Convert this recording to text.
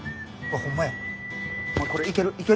お前これいける！